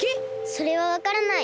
それはわからない。